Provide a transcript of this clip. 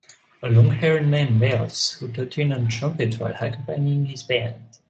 A longhaired man belts out a tune on a trumpet while accompanying his band.